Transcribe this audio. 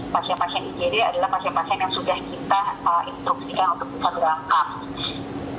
pasien pasien igd adalah pasien pasien yang sudah kita instruksikan untuk bisa berangkat